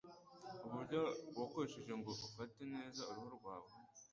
Uburyo wakoresha ngo ufate neza uruhu rwawe,